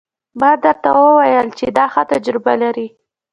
ما درته وويل چې دا ښه تجربه لري.